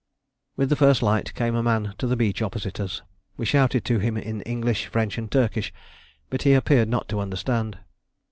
With the first light came a man to the beach opposite us. We shouted to him in English, French, and Turkish, but he appeared not to understand.